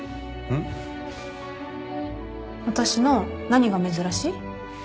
私の何が珍しい？